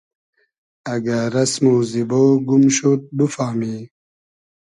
اگۂ رئسم و زیبۉ گوم شود بوفامی